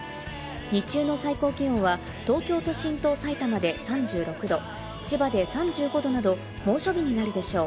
日中の最高気温は、東京都心と埼玉で３６度、千葉で３５度など猛暑日になるでしょう。